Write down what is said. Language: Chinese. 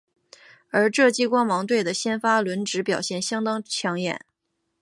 而这季光芒队的先发轮值表现相当抢眼。